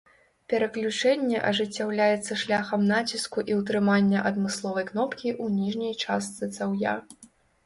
Пераключэнне ажыццяўляецца шляхам націску і ўтрымання адмысловай кнопкі ў ніжняй частцы цаўя.